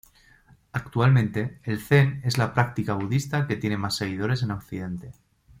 Actualmente, el zen es la práctica budista que tiene más seguidores en Occidente.